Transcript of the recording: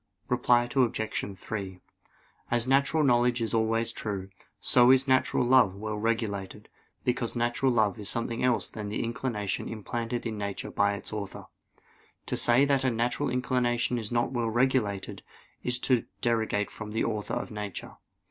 Reply Obj. 3: As natural knowledge is always true, so is natural love well regulated; because natural love is nothing else than the inclination implanted in nature by its Author. To say that a natural inclination is not well regulated, is to derogate from the Author of nature.